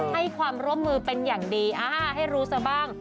ให้ความร่วมมือเป็นอย่างดีให้รู้ซะบ้าง